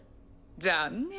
残念。